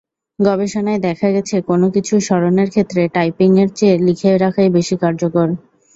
গবেষণায় দেখা গেছে, কোনো কিছু স্মরণের ক্ষেত্রে টাইপিংয়ের চেয়ে লিখে রাখাই বেশি কার্যকর।